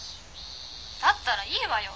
「だったらいいわよ